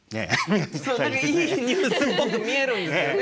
そう何かいいニュースっぽく見えるんですよね。